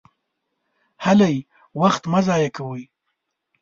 هلئ! وخت مه ضایع کوئ!